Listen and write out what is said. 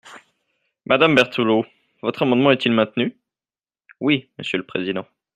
Madame Berthelot, votre amendement est-il maintenu ? Oui, monsieur le président.